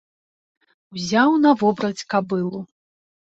Узяў на вобраць кабылу.